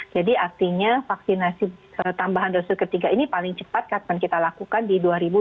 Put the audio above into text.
jadi artinya vaksinasi tambahan dosis ketiga ini paling cepat ketika kita lakukan di dua ribu dua puluh dua